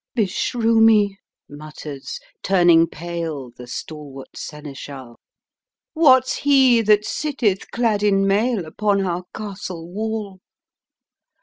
" Beshrew me I " mutters, turning pale, The stalwart seneschal; " What's he, that sitteth, clad in mail Upon our castle wall